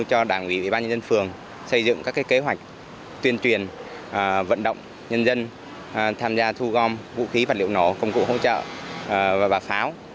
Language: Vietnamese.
cho đảng ủy ủy ban nhân dân phường xây dựng các kế hoạch tuyên truyền vận động nhân dân tham gia thu gom vũ khí vật liệu nổ công cụ hỗ trợ và pháo